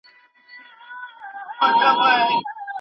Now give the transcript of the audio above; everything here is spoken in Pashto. دولتي ادارو ته ښايي چي د معلوماتو اسانتیاوې برابري کړي.